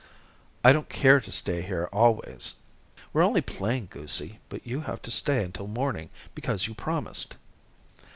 "I don't care to stay here always." "We're only playing, goosie, but you have to stay until morning because you promised."